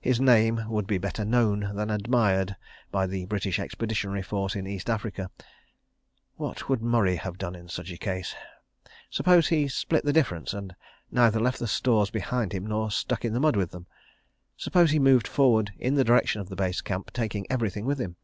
His name would be better known than admired by the British Expeditionary Force in East Africa. ... What would Murray have done in such a case? ... Suppose he "split the difference" and neither left the stores behind him nor stuck in the mud with them? Suppose he moved forward in the direction of the Base Camp, taking everything with him?